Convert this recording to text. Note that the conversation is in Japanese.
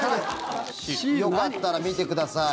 よかったら見てください。